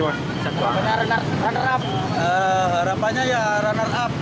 harapannya ya runner up